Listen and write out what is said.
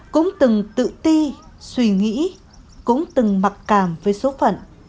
cũng từng tự ti suy nghĩ cũng từng mặc cảm với số phận